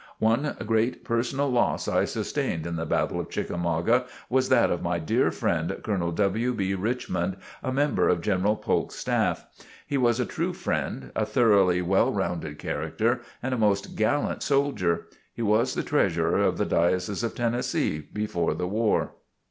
One great personal loss I sustained in the battle of Chickamauga was that of my dear friend, Colonel W. B. Richmond, a member of General Polk's staff. He was a true friend, a thoroughly well rounded character and a most gallant soldier. He was the Treasurer of the Diocese of Tennessee, before the war.